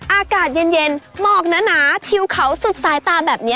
อากาศเย็นหมอกหนาทิวเขาสุดสายตาแบบนี้